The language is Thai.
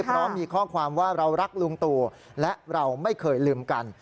พร้อมมีข้อความว่าเรารักลุงตู่และเราไม่เคยลืมกัน